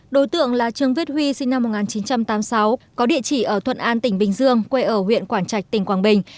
đối tượng là trương viết huy sinh năm một nghìn chín trăm tám mươi sáu có địa chỉ ở thuận an tỉnh bình dương quê ở huyện quảng trạch tỉnh quảng bình